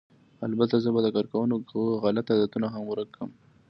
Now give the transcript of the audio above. البته زه به د کارکوونکو غلط عادتونه هم ورک کړم